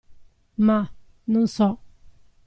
Ma, non so.